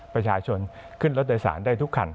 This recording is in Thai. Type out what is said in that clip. ประชาชนขึ้นรถโดยสารได้ทุกคัน